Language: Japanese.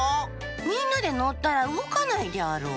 みんなでのったらうごかないであろう。